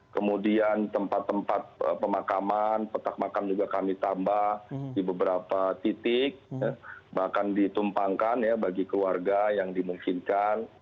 kemudian tempat tempat pemakaman petak makam juga kami tambah di beberapa titik bahkan ditumpangkan ya bagi keluarga yang dimungkinkan